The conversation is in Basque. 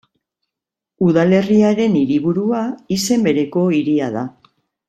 Udalerriaren hiriburua izen bereko hiria da.